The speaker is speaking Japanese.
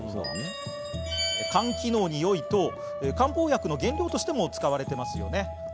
肝機能によいと、漢方薬の原料としても使われていますよね。